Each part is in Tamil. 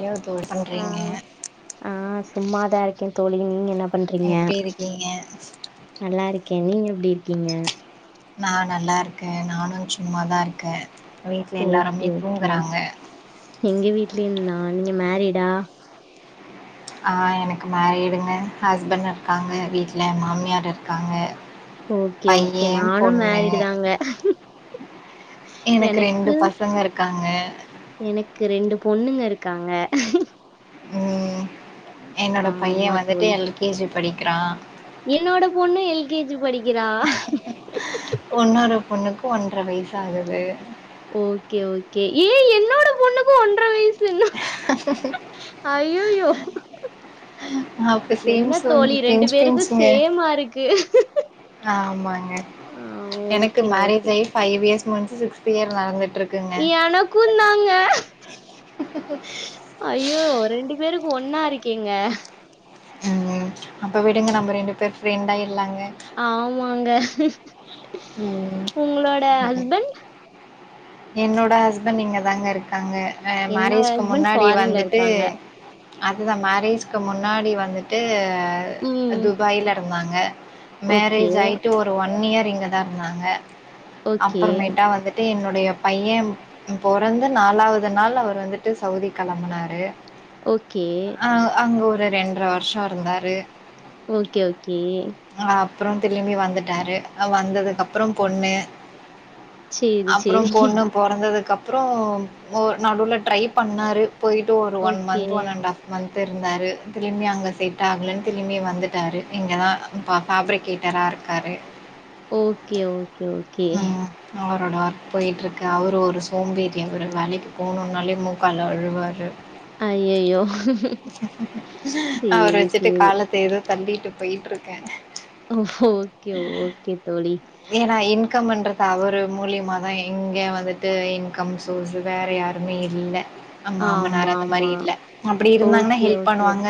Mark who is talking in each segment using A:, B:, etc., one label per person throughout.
A: ஹலோ தோழி
B: அ
A: பண்றீங்க
B: அ சும்மாதா இருக்கே தோழி நீங்க என்ன பண்றீங்க
A: எப்டி இருக்கீங்க
B: நல்லா இருக்கே நீங்க எப்டி இருக்கீங்க
A: நா நல்லா இருக்க நானு சும்மாதா இருக்க
B: ஓகே ஓகே எங்க வீட்லயும்தா நீங்க மேரிடா
A: அ எனக்கு மேரீடுங்க ஹஸ்பண்ட் இருக்காங்க வீட்ல மாமியார் இருக்காங்க
B: ஓகே
A: பைய
B: ஓகே நானு
A: பொண்ணு
B: மேரிடு தாங்க
A: எனக்கு ரெண்டு பசங்க இருக்காங்க
B: எனக்கு ரெண்டு பொண்ணுங்க இருக்காங்க
A: ம் என்னோட பைய
B: ஆமா
A: வந்துட்டு
B: தோழி
A: எல் கே ஜி படிக்கிறா
B: என்னோட பொண்ணு எல் கே ஜி படிக்கிறா
A: உன்னொரு பொண்ணுக்கு ஒன்றவைஸ் ஆகுது
B: ஓகே ஓகே எ என்னோட பொண்ணுக்கும் ஒன்றர வயசுன அய்யயோ
A: அப்ப சேம்
B: என்ன
A: சோம்
B: தோழி ரெண்டு
A: பின்ச்
B: பேருக்கு
A: பின்ச்ங்க
B: சேமா இருக்கு
A: ஆமாங்க
B: ஆ
A: எனக்கு
B: ஓகே
A: மேரேஜ்
B: ஓகே
A: ஆகி பைவ் இயர்ஸ் முடிஞ்சு சிக்ஸ் இயர்ஸ் நடந்துட்
B: எனக்கும் தாங்க அய்யோ ரெண்டு பேருக்கு ஒன்னா இருக்கேங்க
A: உம் அப்ப விடுங்க நம்ம ரெண்டு பேரும் பிரண்டாய்
B: ஆமாங்க
A: ம்
B: உங்களோட ஹஸ்பண்ட்
A: என்னோட ஹஸ்பண்ட் இங்க தாங்க இருக்காங்க அ
B: என்னோட
A: மேரேஜ்க்கு
B: ஹஸ்பண்ட்
A: முன்னாடி
B: ஃபாரின்ல
A: வந்துட்டு
B: இருக்காங்க.
A: அதுத மேரேஜ்க்கு முன்னாடி வந்துட்டு
B: ம்.
A: துபாயில இருந்தாங்க
B: ஓகே,
A: மேரேஜ் ஆயிட்டு ஒரு ஒன் இயர் இங்கதா இருந்தாங்க
B: ஓகே,
A: அப்புறமேட்டா வந்துட்டு என்னுடைய பையன் பொறந்து நாலாவது நாள் அவர் வந்துட்டு சவுதி கிளம்புனாரு
B: ஓகே,
A: அ அங்க ஒரு ரெண்டர வருஷம் இருந்தாரு
B: ஓகே ஓகே
A: அ அப்புறம் திரும்பி வந்துட்டாரு வந்ததுக்கு அப்புறம் பொண்ணு
B: சரி,
A: அப்புறம்
B: சரி.
A: பொண்ணு பொறந்ததுக்கு அப் புறம் ஒரு நடுவிலல ட்ரை பண்ணாரு போயி்டட்டு ஒரு one
B: okay,
A: month one and half month இருந்தாரு திரும்பிய அங்க செட் ஆகலன்னு திரும்பிய வந்துட்டாரூ இங்கதான் பாப்ரிக்கேட்டர் இருக்காரு
B: ஓகே ஓகே ஓகே
A: ம். அவரோட ஒர்க் போயட்டுருக்கு அவர் ஒரு சோம்பேறி அவர் வேலைக்கு போவணுன்னாலே மூக்கால்ல அழுவார்
B: ஐயய்யோ!
A: அவர
B: சரி,
A: வச்சுட்டு
B: சரி.
A: காலத்த தேடு தள்ளிட்டு போயிட்டு இருக்கே
B: ஓகே ஓகே தோழி
A: இ்கம் பண்ணறது அவர் முழியுமா தா இங்க வந்துட்டு இன்கம் சோர்ஸ வேற யாருமே இல்ல ஆமா மாமனாரு அந்த மாதிரி
B: ஆமாமா.
A: இல்ல அப்படி இருந்தாங்கன்னா
B: ஓகே,
A: ஹெல்ப்
B: ஓகே.
A: பண்ணுவாங்க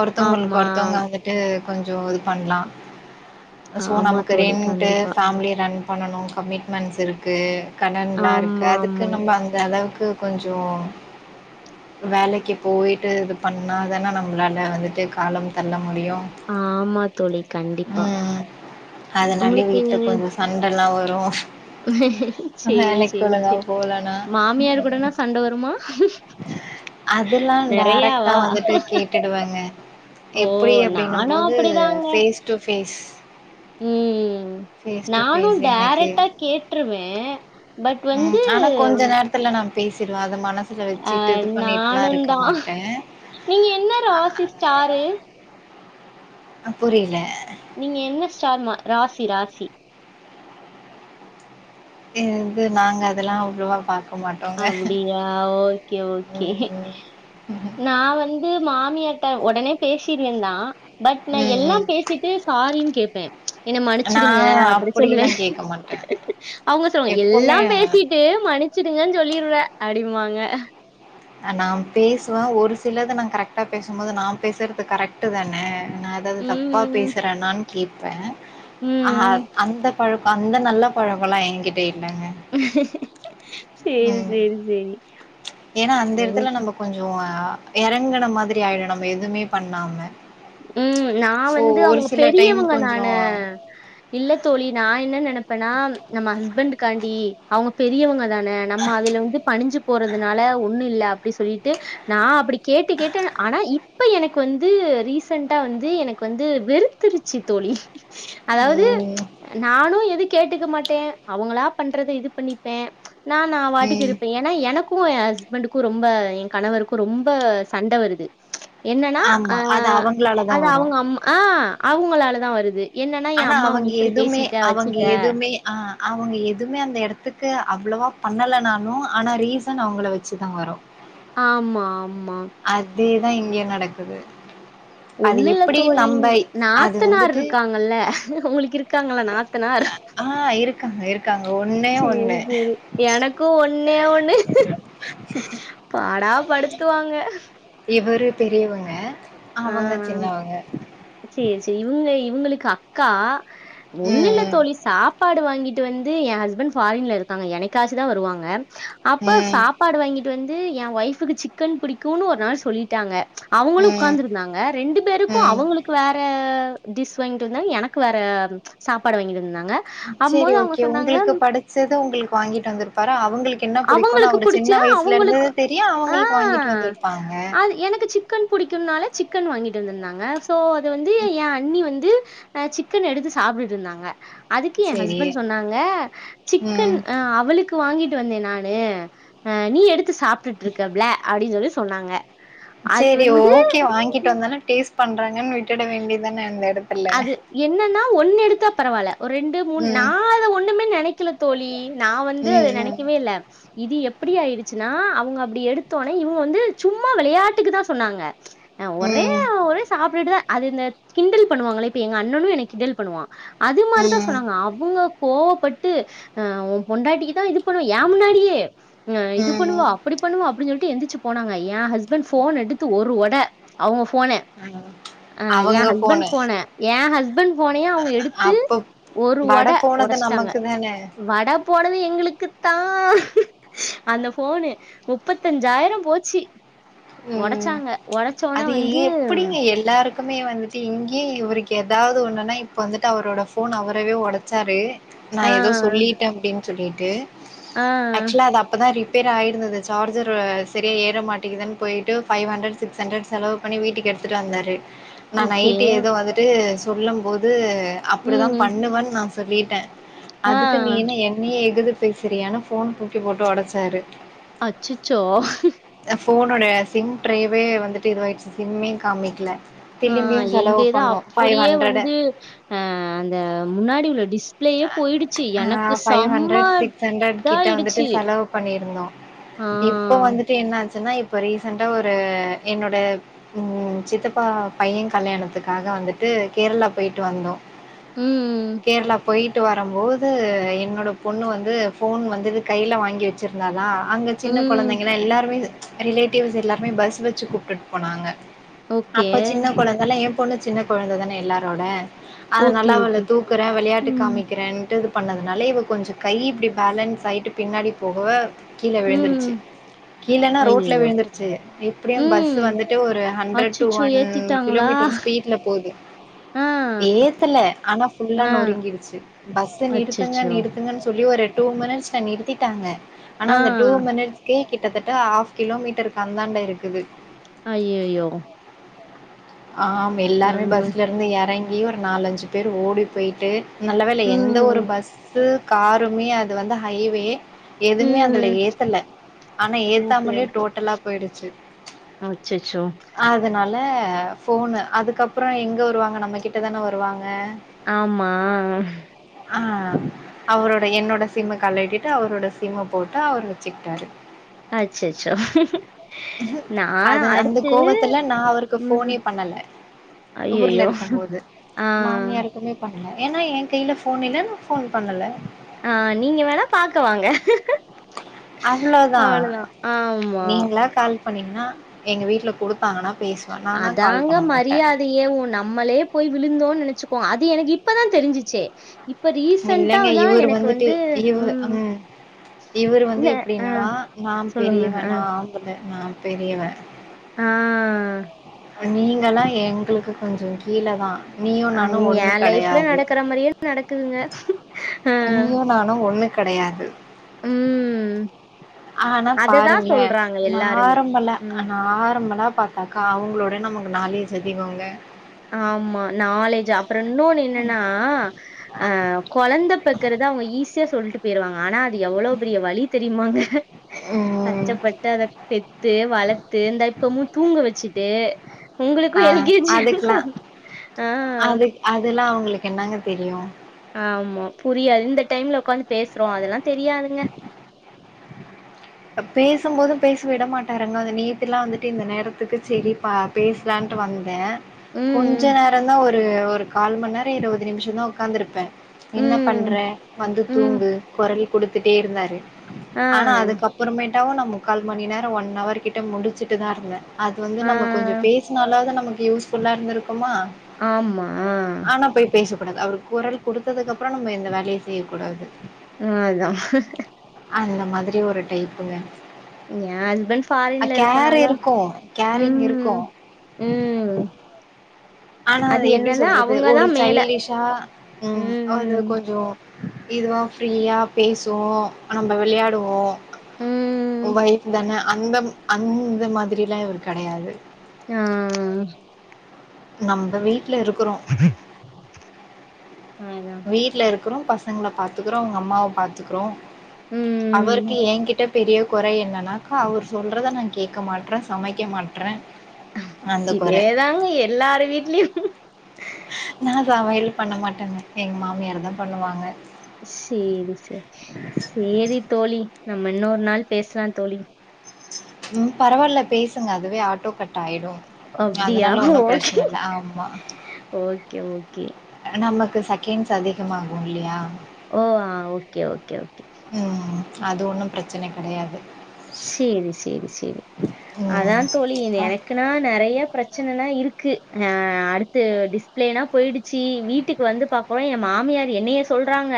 A: ஒருத்தவங்களுக்கு
B: ஆமா,
A: ஒருத்தவங்க வந்துட்டு கொஞ்சம் இது பண்ணலா ஸோ
B: ஆமா
A: நமக்கு
B: தோழி.
A: ரெண்ட்
B: கண்டிப்பா.
A: ஃபேமிலி ரன் பண்ணனும் கமிட்மெண்ட்ஸ் இருக்கு கடன்லா இருக்கு அதுக்கு
B: ஆமாமா.
A: நம்ம அந்த அளவுக்கு கொஞ்ச வேலைக்கு போயிட்டு இது பண்ணாதானே நம்மளால வந்துட்டு காலம் தள்ள முடியும்
B: ஆமா தோழி. கண்டிப்பா.
A: உம் அதனால
B: உங்களுக்கு
A: வீட்டு கொஞ்சம் சண்டல்லா வரும்
B: சேரி
A: வேலைக்கு
B: சேரி
A: ஒழுங்கா
B: சேரி
A: போலனா
B: மாமியார்
A: ம்
B: கூடனா சண்ட வருமா
A: அததுல்லா டடைரக்ட்டா
B: நெறையாவா?
A: வந்துட்டு கேட்டுடுவங்க
B: ஓ!
A: எப்படி அப்பிடனும்
B: நானும்
A: போது face to face
B: um
A: face
B: நானும் டேரக்டா கேட்டுருவே
A: உம் ஆனா கொஞ்ச நேரத்துல நா பேசிருவ அது மனசுல
B: அ
A: வச்சிட்டு இது பண்ணிட்டெல்லா
B: நானும்
A: இருக்க
B: தான்.
A: மாட்டே
B: நீங்க என்ன ராசி ஸ்டாரு
A: அ புரியல
B: நீங்க என்ன ஸ்டார்மா ராசி ராசி
A: இது நாங்க அதெல்லா அவ்வளவா பாக்க மாட்டோங்க
B: அப்படியா ஓகே ஓகே
A: ம்
B: நா வந்து மா மியார்ட உடனே பேசிருவே தா பட் நா
A: ம் ம்
B: எல்லாம் பேசிட்டு சாரின்னு கேட்பே என்ன
A: நா
B: மன்னச்சிடுங்க அப்படி சொல்லுவே
A: அப்டிலா கேக்க மாட்டே
B: அவங்க சொல்ல
A: எப்பவுமே
B: எல்லாம் பேசிட்டு மன்னச்ச ங்க சொல்லிற அப்டிமாங்க
A: ஆ நா பேசுவ ஒரு சிலது நா கரெக்டா பேசும் போது நா பேசுறது கரெக்டு தான நா ஏதாவது தப்பா
B: ம்
A: பேசுறேனானு கேட்பே ஆ
B: ம்
A: அந்த பழக்கொ அந்த நல்ல பழக்கொல்லா எங்கிட்ட
B: சேரி சேரி சேரி
A: ஏனா அந்த எடத்துல நம்ம கொஞ்சொ எறங்குன மாதிரி ஆயிடு நம்ம எதுவுமே பண்ணாம
B: ம் ம் நா
A: ஸோ,
B: வந்து
A: ஒரு
B: அவங்க
A: சில டைம்
B: பெரியவங்க தான
A: கொஞ்சம்
B: இல்ல தோழி நா என்ன நெனப் ப்பனா நம்ம ஹஸ்பண்ட்க்காண்டி அவங்க பெரியவங்கதா ன நம்ம அதுல வந்து பணி்ஞ்சு போறதுனால ஒன்னு இல்ல அப்டி சொல்லிட்டு நா அப்டி கேட்டு கேட்டு ஆனா இப்ப எனக்கு வந்து ரீச ரீசன்ட்டா வந்து எனக்கு வந்து வெறுத்திருச்சி தோழி. அதாவது
A: ம்,
B: நானு எது கேட் டுக்க மாட்டே அவங்களா பண்றத இது பண்ணிப்பே நா நா வாட்டுக்கு
A: ம்.
B: இருப்பே ஏன்னா எனக்கு என் ஹஸ் பெண்ட்க்கு ரொம்ப என் கணவருக்கும் ரொம்ப சண்ட வருது என்னன்னா
A: ஆமா.
B: அ
A: அது அவங்களால தான்
B: அது
A: வரும்.
B: அவங்க அம் ஆ அவங்களாலதா வருது. என்னன்னா எ
A: ஆனா
B: அம்மாவ
A: அவங்க
B: நீ இப்டி
A: எதுவுமே
B: பேசிட்ட
A: அவங்க
B: வச்சுட்ட
A: எதுவுமே ஆ அவங்க எதுவுமே அந்த எடத்துக்கு அவ்ளவா பண்ணலனாலு ஆனா ரீசன் அவங்கள வச்சுதா வரு
B: ஆமா ஆம்
A: அதேதா இங்கெ நடக்குது. அது
B: ஒன்னு இல்ல
A: எப்டி
B: தோழி
A: நம்ப அது
B: நாத்தனார்
A: வந்துட்டு
B: இருக்காங்கல்ல உங்களுக்கு இருக்காங்களா நா த்தனார்
A: ஆ இருக்காங்க இருக்காங்க ஒன்னே
B: சேரி
A: ஒண்ணு
B: சேரி எனக்கும் ஒன்னே ஒன்னு பாடா படுத்துவாங்க
A: இவரு பெரியவங்க
B: ஆ
A: அவங்க சின்னவங்க
B: உங்களுக்கு அக்கா ஒன்னில்ல
A: ம்
B: தோழி சாப்பாடு வாங்கிட் டு வந்து என் ஹஸ்பண்ட் பாரின்ல இருக்காங்க என்னைக்காச்சுதா வருவாங்க அப்ப
A: ம்
B: சாப்பாடு வாங்கிட்டு வந்து எ ஒய்ஃபுக்கு சிக்கன் புடிக்குனு ஒரு நாள் சொல்லிட்டாங்க அவங்களு
A: ம் ம்
B: உக்கார்ந்து இருந்தாங்க ரெண்டு பேருக்கு
A: ம்
B: அவங்களுக்கு வேற டிஷ் வாங்கிட்டு வந்தாங் எனக்கு வேற சாப்பாடு வாங்கிட்டு வந்திருந்தாங்
A: செரி ஓகே உங்களுக்கு படச்சதும் உங்களுக்கு வாங்கிட்டு வந்திருப்பாரா அ அவங்களுக்கு என்ன புடிக்குன்னு
B: அவங்களுக்கு
A: அவரு
B: புடிச்சு
A: சின்ன வயசுல இருந்தே
B: அவங்களுக்கு
A: தெரியு அவங்களுக்கு வாங்கிட்டு
B: ஆ
A: வந்திருப்பாங்க.
B: அது எனக்கு சிக்கன் புடிக்குன்னாலே சிக்கன் வாங்கி றுந்துந்தாங்க சோ அத வந்து எ எ அண்ணி வந்து அ சிக்கன எடுத்து சாப்டுட்டு இருந்தாங்க. அதுக்கு எ
A: சேரி
B: ஹஸ்பண்ட் சொன்னாங்க சிக்கன்
A: ம்
B: அ அவளுக்கு வாங்கிட் டு வந்தே நானு அ நீ எடுத்து சாப்டுட்டுருக்க புள்ள அப்டின் சொல்லி சொன்னாங்க அது
A: செரி
B: வந்து
A: ஓகே வாங்கிட்டு வந்தானா டேஸ்ட் பண்றாங்கன்னு விட்டுட வேண்டியதுதான அந்த எடத்
B: அது என்னன்னா ஒன்னு எடுத்தா பரவால்ல ஒரு ரெண்டு மூணு நா
A: ம்
B: அத ஒன்னுமே நெனைக்கல தோழி நா வந்து அத
A: ம்
B: நெனைக்கவே இல்ல. இது எப்படி ஆயிடுச்சுன்னா அவங்க அப்டி எடுத்தோனே இவங்க வந்து சும்மா விளையாட்டுக்குதா சொன்னாங்க அ ஒரே
A: ம் ம்
B: அ ஒரே சாப்ட்டுட்தா அது இந்த கிண்டல் பண்ணுவாங்கள இப்ப எங்க அண்ணனு என்னய கிண்டல் பண்ணுவா அது மாரிதா
A: ம்
B: சொன்னாங்க அவங்க கோவப்பட்டு அ ஒ பொண்டாட்டிக்குதா இது பண்ணுவ எ முன்னாடியே இது
A: ம்
B: பண்ணுவா அப்டி பண்ணுவா அப்டின்னு சொல்ட் டு எந்திச்சு போனாங்க எ ஹஸ்பண்ட் ஃபோன் எடுத்து ஒரு ஒட அவங்க ஃபோ ஃபோன
A: ம்
B: அ எ
A: அவங்க
B: ஹஸ்பண்ட்
A: போனு
B: ஃபோன எ ஹஸ்பண்ட் ஃபோனையே அவங்க எடுத்து
A: அப்ப
B: ஒரு
A: வட
B: ஒட
A: போனது
B: ஒடச்சுட்டாங்க.
A: நமக்கு தான
B: வட போனது எங்களுக்குத்தா அந்த ஃபோனு முப்பத்தஞ்சாயிரம் போச்சு
A: ம்
B: ஒடச்சாங்க ஒடச்சோன வந்து
A: எவ்ருக்குமே வந்துட்டு இங்கே இவருக்கு எதாவது ஒன்னுன்னா இப்போ வந்துட்டு அவரோட ஃபோன் அவரவே ஒடச்சாரு நா
B: ஆ
A: எதோ சொல்லிட்டே அப்டின்னு சொல்லிட்டு
B: ஆ
A: ஆக்சுவலா அது அப்பதா ரிப் பேர் ஆயிருந்தது சார்ஜர் வே சரியா ஏற மாட்டேங்குதுன்னு போயிட்டு ஃபைவ் ஹண்ட்ராட் சிக்ச் ஹண்டரட் செலவு பண்ணி வீட்டுக்கு எடுத்தூட்டு வந்தாறு நா நைட்
B: ஓகே
A: ஏதோ வந்துட்டு சொல்லும் போது அப்படிதா
B: ம்.
A: பண்ணுவ நா சொல்லிட்ட
B: ஆ.
A: அதுக்கு நீ என்னையே எகுது பேசுரியனு போன் தூக்கி போட்டு உடச்சாரு
B: அச்சச்சோ
A: என்னோடைய சிம் டிரைவ் வந்துட்டு இதுவாகிடுச்சு சிம்மே காமிக்கல
B: ஆ
A: திரும்பியு செலவு
B: எங்கதா
A: பண்ணோ ஃபைவ்
B: அப்படியே
A: ஹண்ட்ரடு
B: வந்து அ அந்த முன்னாடி உள்ள டிஸ்
A: ஆ பைவ் ஹண்ட்ரட் சிக்ஸ் ஹண்ட்ரட் கிட்ட வந்துட்டு
B: இதாயிடுச்சு.
A: செலவு பண்ணியிருந்தோ
B: ஆ.
A: இப்போ வந்துட்டு என்னாச்சு நா இப்போ ரீசண்டா ஒரு என்னோட உ சித்தப்பா பையன் கல்யாணத்துக்காக வந்துட்டு கேரளா போயிட்டு வந்தோ
B: ம்
A: கேரளா போயிட்டு வரும்போது என்னோட பொண்ணு வந்து ஃபோன் வந்துதூ கையில வாங்கி வச்சுருந்தனா அங்க சின்ன
B: ம்.
A: குழந்தைங்கலா எல்லாருமே ரிலேட்டிவ்ஸ் எல்லாருமே பஸ் வச்சு கூப்பிட்டுட்டு போனாங்க
B: ஓகே.
A: அப்ப சின்ன குழந்த எல்லாம் என் பொண்ணு சின்ன குழந்த தானே எல்லாரோட அது
B: ஓகே,
A: நல்லா அவள
B: ஓகே.
A: தூக்குற விளையாட்டு
B: ம்.
A: காமிக்ரன்ட்டு பண்ணதுனால இவ கொஞ்சம் கை இப்படி பேலன்ஸ் ஆகிட்டு பின்னாடி போக கீழ
B: ம்.
A: விழுந்துருச்சு கீழனா ரோட்ல
B: ஐயயோ!
A: விழுந்துருச்சு இப்படியும் பஸ்
B: ம்.
A: வந்துட்டு ஒரு ஹண்டரட் டூ
B: அச்சச்சோ!
A: ஹண்ட்ராட்
B: ஏத்திட்டாங்களா?
A: கிலோமீட்டர் ஸ்பீட்ல போது
B: ஆ.
A: ஏத்துல ஆனா ஃபுல்லா
B: ஆ.
A: நொறுங்கிடுச்சு பஸ் நிறுத்துங்க
B: அச்சச்சோ!
A: நிறுத்துங்கன்னு சொல்லி ஒரு டூ மினிட்ஸ் ல நிறுத்திட்டாங்க ஆனா
B: ஆ.
A: அந்த டூ மினிட்ஸ்கே கிட்டத்தட்ட ஹாஃப் கிலோமீட்டருக்கு அந்தாண்ட இருக்குது
B: அய்யயோ
A: ஆம் எல்லாருமே பஸ்லருந்து இறங்கி ஒரு நாலஞ்சு பேர் ஓடி போயி்ட்டு நல்ல வேல எந்த ஒரு
B: ம்.
A: பஸ்ஸு காருமே அது வந்து ஹைவே எதுவுமே அதுல
B: ம்.
A: ஏத்தல ஆனா ஏத்தாமலயே டோட்டலா போயிடுச்சு
B: அச்சசோ
A: ல போனு அதுக்கப்புறம் எங்க வருவாங்க நம்ம கிட்ட தான வருவாங்க
B: ஆமா
A: ஆ அவரோட என்னோட சிம்ம கலடிட்டு அவரோட சிம்ம போட்டு அவர் வச்சுக்கிட்டாரு
B: அச்சச்சோ நா
A: அது அந்த
B: அடுத்து
A: கோவத்துல நா அவருக்கு
B: உம்
A: ஃபோனே பண்ணல ஊர்ல இருக்கு போது
B: ஆ,
A: மாமியாருக்குமே பண் ல ஏன்னா என் கையில போன் இல்லன் போன் பண்ணல
B: ஆ நீங்க வேணா பாக்க வாங்க
A: அவ்ளோதா
B: அவ்வளதான். ஆமா.
A: நீங்களா கால் பண்ணீங்கன்னா எங்க வீட்ல கொடுத்தாங்கன்னா
B: அதாங்க மரியாதையே உ நம்மளே போய் விழுந்தோ நினைச்சுக் கோ அது எனக்கு இப்பதா தெரிஞ்சிச்சு இப்ப
A: இல்லைங்க
B: ரீசன்ட்டாதா
A: இவரு
B: எனக்கு வந்து உம்
A: இவர்ரு வந்து எப்படின்னா நா
B: சொல்லுங்க.
A: பெரியவன்
B: ஆ,
A: நா ஆம்பல நா பெரியவ
B: ஆ
A: நீங்கல்லா எங்களுக்கு கொஞ்சோ கீழ தா நீயு
B: ஆ
A: நானு
B: நீங்க
A: ஒண்ணு
B: என் லைஃப்ல
A: கிடையாது
B: நடக்கிற மாரியே நடக்குதுங்க. ஆ,
A: நீயோ நானோ ஒண்ணு கிடையாது
B: ம்.
A: ஆனா
B: அததான்
A: பாருங்களே
B: சொல்றாங்க எல்லாருமே.
A: நாரம்பழ
B: ம்.
A: நார்மலா பாத்தாக்கா அவங்களோட நமக்கு நாலேஜ் அதிகோங்க
B: ஆமா நாலேஜ் அப்றோ இன்னொன்னு என்னன்னா ஆ குழந்த பெக்கிறத அவங்க ஈஸியா சொல்ட் டு போயிருவாங்க ஆனா அது எவ்ளோ பெரிய வழி தெரியுமாங்க
A: ம்.
B: கஷ்டப்பட்டு அத பெத்து வளர்த்து இந்த இப்பமும் தூங்க வச்சுட்டு உங்களுக்கும எல் கே ஜி
A: அ அது அதெல்லா அவங்களுக்கு என்னங்க தெரியு
B: ஆமா புரியாது இந்த டைம்ல ஒக்காந்து பேசுறோ அதெல்லா தெரியாதுங்க
A: அ பேசும்போது பேச விட மாட்டாருங்க நேத்துலா வந்துட்டு இந்த நேரத்துக்கு செரிப்பா பேசலான் ட்டு வந்தே கொஞ்ச
B: ம்,
A: நேரந்தா ஒரு ஒரு கால் மண் நேர இருவது நிம்ஷந்தா ஒக்காந்துருப்பே என்ன பண்ற
B: ம்,
A: வந்து
B: ம்.
A: தூங்கு கொரல் குடுத்துட்டே இருந்தாரு
B: ஆ
A: அப்பறமேட்டாவு நா முக்கால் மணி நேர ஒன் அவர் கிட்ட முடிச்சுட்டு தா இருந்தே அது வந்து
B: ஆ.
A: நம்ம கொஞ்சோ பேசுனாலாவ்து நமக்கு யூஸ் ஃபுல்லா இருந்துருக் குமா
B: ஆமா.
A: ஆனா போய் பேசக் கூடாது அவரு கொரல் குடுத்ததுக்கப்றோ நம்ம எந்த வேலையு செய்யக்கூடாது
B: அதான்.
A: அந்த மாதிரி ஒரு டைப்புங்க
B: எ ஹஸ்பண்ட்
A: அ
B: ஃபாரின்ல
A: கேர்
B: இருக்கனால
A: இருக்கு கேரிங் இருக்கு
B: ம் ம்
A: ஆனா அத
B: அது
A: எப்டி
B: என்னதா
A: சொல்றது
B: அவங்கதா
A: ஒரு
B: மேல
A: சைல்டிஷா ம் அது கொஞ்சோ இதுவா ஃப்ரீயா பேசுவோ நம்ப விளையாடுவோ
B: ம்
A: வைப் தான அந்தம் அந்த மாதிரிலா இவரு கெடையாது
B: ஆ
A: நம்ப வீட்ல இருக்குறோ
B: அதா
A: வீட்ல இருக்குறோ பசங்கள பாத்துக்குறோ அவுங்க அம்மாவ பாத்துக்குறோ அவருக்கு
B: ம்
A: ஏங்கிட்ட பெரிய கொற என்னன்னாக்கா அவரு சொல்றத நா கேக்க மாட்றே சமைக்க மாட்றே அந்த கொற
B: இதே தாங்க எல்லாரு வீட்லயு
A: நா சமையல் பண்ண மாட்டங்க எங்க மாமியார் தா பண்ணுவாங்க
B: சேரி சேரி சேரி தோழி நம் ம்ம இன்னொரு நாள் பேசலா தோழி
A: ம் பரவால்ல பேசுங்க அதுவே ஆட்டோ கட் டாய்டு ஏ
B: அப்டியா
A: அதுனால ஒன்னு
B: ஓகே
A: பிரச்சன இல்ல ஆமா
B: ஓகே ஓகே
A: நமக்கு சகெண்ட்ஸ் அதிகமாகு இல்லையா
B: ஓ ஆ ஓகே ஓகே ஓகே
A: ம் அது ஒன்னு பிரச்சனை கெடையாது
B: சேரி சேரி சேரி அதா
A: ம்
B: தோழி இது
A: அ
B: எனக்குனா நெறைய பிரச் ச்சனலா இருக்கு அ அடுத்து டிஸ்ப்ளேனா போயிடுச்சு வீட்டுக்கு வந்து பாக்குறோ எ மாமி ஏ அது என்னைய சொல்றாங்க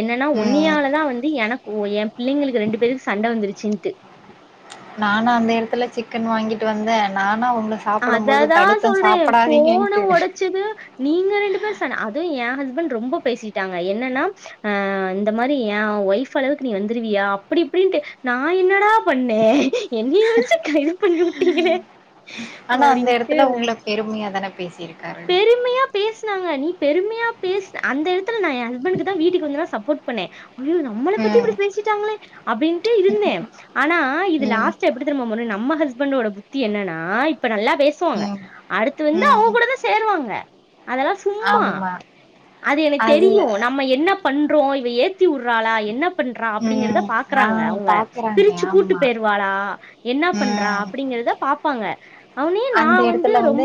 B: என்னன்னா
A: ம்
B: ஓன்னையாலதா வந்து எனக்கு எ பிள்ளைங்களுக்கு ரெண்டு பேருக்கு சண்ட வந்துருச்சுன்ட்டு
A: நானு அந்த எடத்துல சிக்கன் வாங்கிட்டு வந்தே நா
B: அத தா சொல்றே ஃபோன
A: சாப்பிடாதீங்கன்ட்டு
B: ஒடச்சது நீங்க ரெண்டு பேருசன அது எ ஹஸ்பண்ட் ரொம்ப பேசிட்டாங்க என்னன்னா அ இந்த மாரி எ ஒய்ஃப் அளவுக்கு நீ வந்துருவியா அப்டிப்டின் ட்ரு நா என்னடா பண்ணே என்னைய வச்சு கைது பண்ணி விட்டீங்களே
A: ஆனா அந்த எடத்துல உங்ள பெருமைய தானே பேசிருக்
B: பெருமையா பேசுனாங்க நீ பெருமையா பேசுன அந்த எடத் ல நா எ ஹஸ்பண்ட்க்கு தா வீட்டுக்கு வந்து நா சப்போர்ட் பண்ணே ஐயோ நம்மள பத்தி இப்டி
A: ம்
B: பேசிட்டாங்களே அப்டின்ட்டு இருந்தே ஆனா இது
A: ம்
B: லாஸ்ட்டா எப்டி தெரியுமா வரு நம்ம ஹஸ் பண்டோட புத்தி என்னன்னா இப்ப நல்லா பேசுவாங்க
A: ம்
B: அடுத்து வந்து அவ்ங்க
A: ம்
B: கூடதா அதெல்லா சும்மா
A: ஆமா
B: அது எனக்கு தெரியு நம்ம என்ன பண்றோ இவ ஏத் திவுட்றாளா என்ன பண்றா அப்டிங்கிறத
A: ம் ஆ
B: பாக்குறாங்க அவுங்க
A: பாக்குறாங்க
B: பிரிச்சு கூட்டு
A: ஆமா
B: போய்ருவாளா என் ன்னா பண்றா
A: ம்
B: அப்டிங்கிறத பாப்பாங்க அவ்னே நா
A: அந்த
B: வந்து
A: எடத்துல
B: ரொம்